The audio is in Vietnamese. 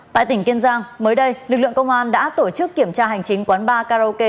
tại tỉnh kiên giang mới đây lực lượng công an đã tổ chức kiểm tra hành chính quán bar karaoke